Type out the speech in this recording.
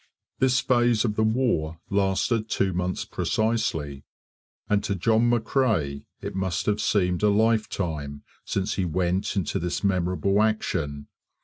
This phase of the war lasted two months precisely, and to John McCrae it must have seemed a lifetime since he went into this memorable action.